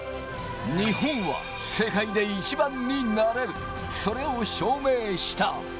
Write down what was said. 日本は世界で１番になれる、それを証明した。